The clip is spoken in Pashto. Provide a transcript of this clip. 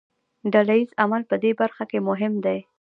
ډله ییز عمل په دې برخه کې مهم دی.